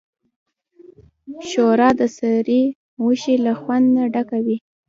ښوروا د سرې غوښې له خوند نه ډکه وي.